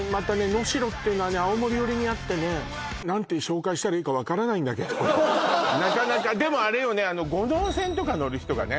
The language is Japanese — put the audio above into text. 能代っていうのはね青森寄りにあってね何て紹介したらいいかわからないんだけどなかなかでもあれよね五能線とか乗る人がね